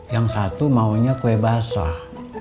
yang satu maunya kue basah